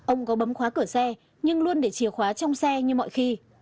ông có bấm khóa cửa xe nhưng luôn để chìa khóa trong xe như mọi khi